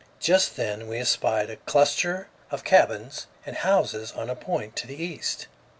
Just then we espied a cluster of cabins and houses on a point to the east.